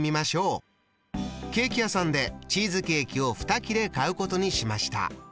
ケーキ屋さんでチーズケーキを２切れ買うことにしました。